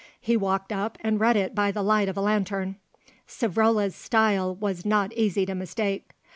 He walked up and read it by the light of a lantern. Savrola's style was not easy to mistake.